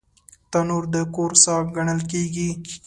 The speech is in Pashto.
تنور د کور ساه ګڼل کېږي